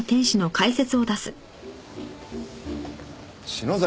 篠崎